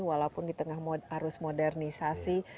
walaupun di tengah arus modernisasi